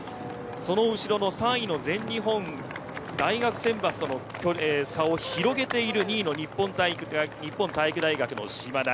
その後ろの３位の全日本大学選抜との差を広げている２位の日本体育大学の嶋田。